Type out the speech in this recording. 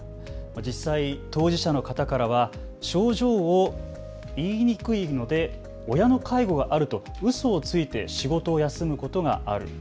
実際、当事者の方からは症状をいいにくいので親の介護があるとうそをついて仕事を休むことがある。